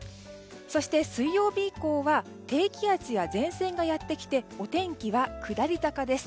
そして水曜日以降は低気圧や前線がやってきてお天気は下り坂です。